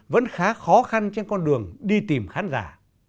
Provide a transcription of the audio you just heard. vẫn khá khó khăn trên con đường đi tìm khán giả